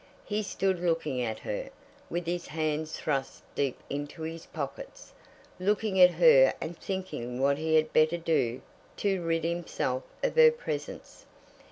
He stood looking at her, with his hands thrust deep into his pockets, looking at her and thinking what he had better do to rid himself of her presence.